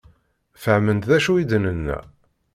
Fehmen d acu i d-nenna?